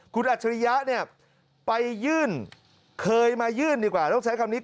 คุณอัจฉริยะเนี่ยไปยื่นเคยมายื่นดีกว่าต้องใช้คำนี้